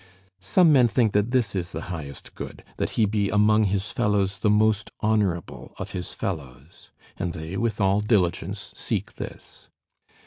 Some men think that this is the highest good, that he be among his fellows the most honorable of his fellows; and they with all diligence seek this.